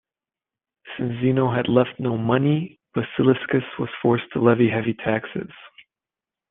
Since Zeno had left no money, Basiliscus was forced to levy heavy taxes.